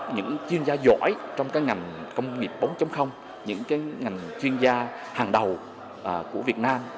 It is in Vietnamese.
những chuyên gia giỏi trong cái ngành công nghiệp bốn những cái ngành chuyên gia hàng đầu của việt nam